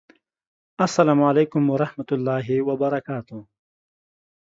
السلام علیکم ورحمة الله وبرکاته